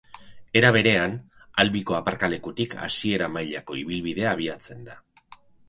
Era berean, Albiko aparkalekutik hasiera mailako ibilbidea abiatzen da.